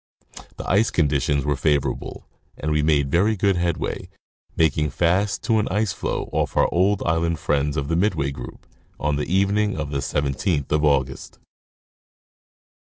The ice conditions were favorable and we made very good headway, making fast to an ice floe, off our old island friends of the midway group, on the evening of the 17th of August.